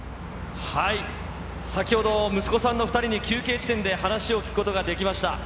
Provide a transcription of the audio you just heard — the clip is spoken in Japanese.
先ほど息子さんの２人に休憩地点で話を聞くことができました。